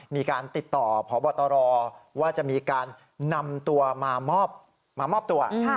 มีการติดต่อพบตรว่าจะมีการนำตัวมามอบตัว